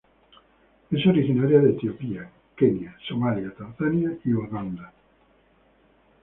Es originaria de Etiopía, Kenia, Somalia, Tanzania y Uganda.